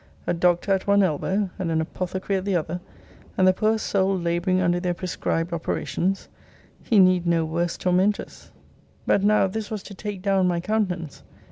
A doctor at one elbow, and an apothecary at the other, and the poor soul labouring under their prescribed operations, he need no worse tormentors. But now this was to take down my countenance.